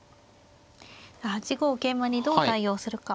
８五桂馬にどう対応するか。